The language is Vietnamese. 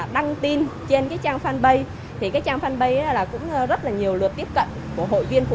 đăng tin trên cái trang fanpage thì cái trang fanpage là cũng rất là nhiều lượt tiếp cận của hội viên phụ